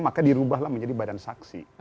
maka dirubahlah menjadi badan saksi